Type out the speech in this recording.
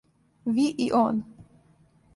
Ви и он.